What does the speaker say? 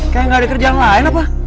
kayak gak ada kerjaan lain apa